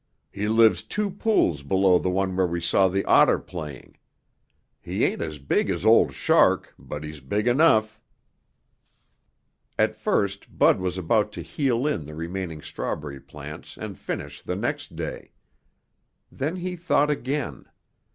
"He lives two pools below the one where we saw the otter playing. He ain't as big as Old Shark, but he's big enough." At first Bud was about to heel in the remaining strawberry plants and finish the next day. Then he thought again.